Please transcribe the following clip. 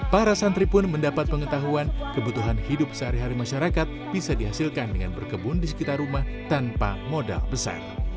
para santri pun mendapat pengetahuan kebutuhan hidup sehari hari masyarakat bisa dihasilkan dengan berkebun di sekitar rumah tanpa modal besar